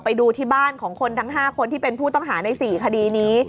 ไปดูที่บ้านของคนทั้ง๕คนที่เป็นผู้ต้องหาใน๔คดีนี้